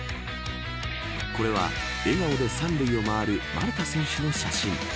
これは、笑顔で３塁をまわる丸田選手の写真。